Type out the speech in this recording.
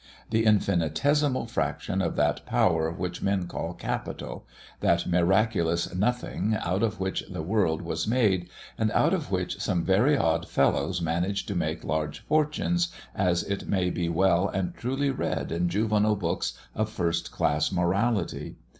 The infinitesimal fraction of that power which men call capital; that miraculous Nothing, out of which the world was made, and out of which some very odd fellows managed to make large fortunes, as it may be well and truly read in juvenile books of first class morality.